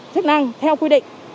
thức năng theo quy định